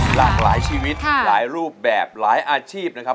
หลากหลายชีวิตหลายรูปแบบหลายอาชีพนะครับ